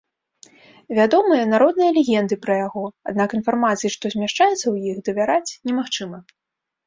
Вядомыя народныя легенды пра яго, аднак інфармацыі, што змяшчаецца ў іх, давяраць немагчыма.